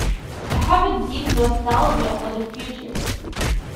I have a deep nostalgia for the future.